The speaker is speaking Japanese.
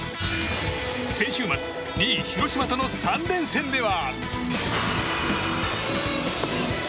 先週末２位、広島との３連戦では。